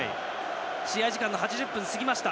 試合時間の８０分が過ぎました。